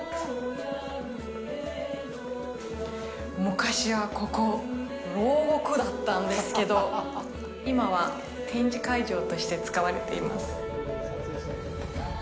昔はここ、牢獄だったんですけど、今は展示会場として使われています。